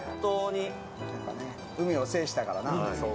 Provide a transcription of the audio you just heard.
海を制したからな。